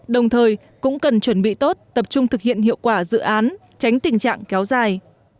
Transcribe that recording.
đồng thời cũng cần chuẩn bị tốt tập trung thực hiện hiệu quả dự án tránh tình trạng kéo dài